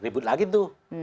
ribut lagi tuh